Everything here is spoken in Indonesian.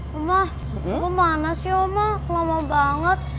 mama lu mana sih mama lama banget